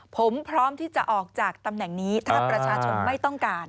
ผมพร้อมที่จะออกจากตำแหน่งนี้ถ้าประชาชนไม่ต้องการ